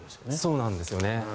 そうなんですよね。